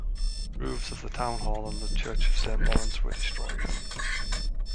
Roofs of the town hall and the Church of Saint Lawrence were destroyed.